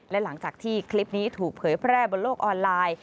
และหลังจากที่คลิปนี้ถูกเผยแพร่บนโลกออนไลน์